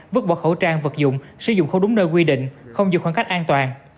vứt bỏ khẩu trang vật dụng sử dụng không đúng nơi quy định không giữ khoảng cách an toàn